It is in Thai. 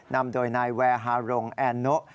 นำโดยนายแวร์ฮารงแอนโนะ